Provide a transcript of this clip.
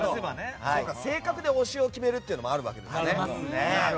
性格で推しを決めるっていうのがあるわけですね。